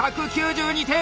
１９２点！